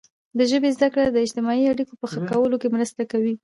د ژبې زده کړه د اجتماعي اړیکو په ښه کولو کې مرسته کوي.